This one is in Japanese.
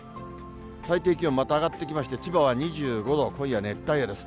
最低気温また上がってきまして、千葉は２５度、今夜、熱帯夜です。